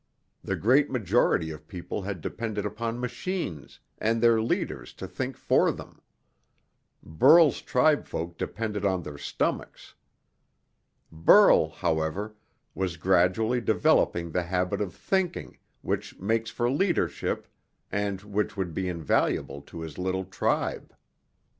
The great majority of people had depended upon machines and their leaders to think for them. Burl's tribefolk depended on their stomachs. Burl, however, was gradually developing the habit of thinking which makes for leadership and which would be invaluable to his little tribe.